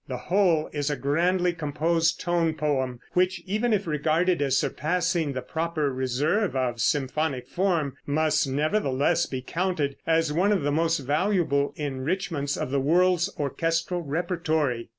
The whole is a grandly composed tone poem which even if regarded as surpassing the proper reserve of symphonic form must nevertheless be counted as one of the most valuable enrichments of the world's orchestral repertory.